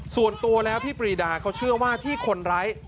ส่วนตัวแล้วพี่ปรีดาเขาเชื่อว่าที่คนร้าย